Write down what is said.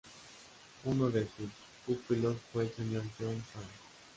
Uno de sus pupilos fue el señor John Soane.